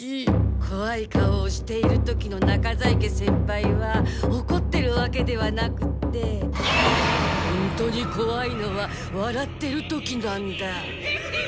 こわい顔をしている時の中在家先輩はおこってるわけではなくって本当にこわいのは笑ってる時なんだ。